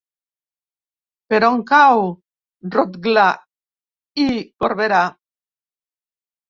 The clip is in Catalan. Per on cau Rotglà i Corberà?